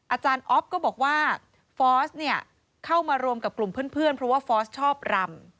อาจารย์ออฟก็บอกว่าฟอร์สเนี่ยเข้ามารวมกับกลุ่มเพื่อนเพราะว่าฟอร์สชอบรำ